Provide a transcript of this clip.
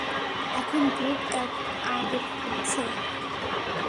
এখন গ্রুপ এক আর দুই উঠছে।